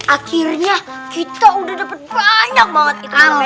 akhirnya kita udah dapat banyak banget itu om